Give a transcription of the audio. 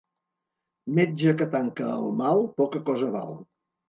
Metge que tanca el mal poca cosa val.